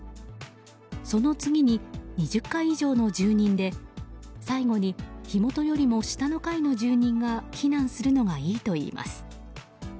その次に２０階以上の住人で最後に火元よりも下の階の住人が避難するのがいいといいます。